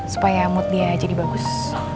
supaya mood dia jadi bagus